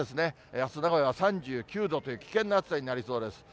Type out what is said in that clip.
あす、名古屋は３９度という危険な暑さになりそうです。